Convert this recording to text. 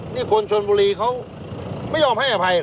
นี่คนชนบุรีเขาไม่ยอมให้อภัย